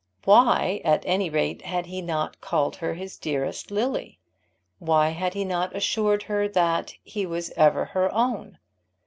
Why, at any rate, had he not called her his dearest Lily? Why had he not assured her that he was ever her own?